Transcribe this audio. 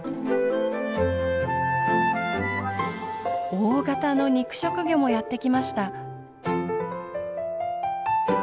大型の肉食魚もやって来ました。